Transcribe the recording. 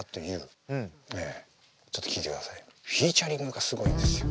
フィーチャリングがすごいんですよ。